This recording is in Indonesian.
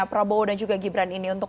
prabowo dan juga gibran ini untuk